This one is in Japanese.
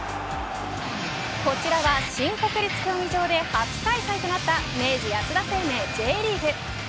こちらは新国立競技場で初開催となった明治安田生命Ｊリーグ。